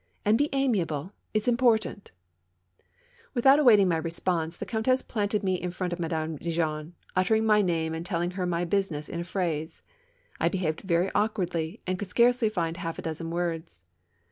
And be amiable, it's impor tant !" Without awaiting my response, the Countess planted me in front of Madame Neigeon, uttering my name and telling her my business in a phrase. I behaved very awkwardly and could scarcely find half a dozen words.